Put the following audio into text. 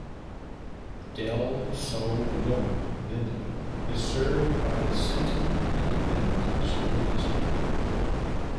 Del Sol-Loma Linda is served by the Sinton Independent School District.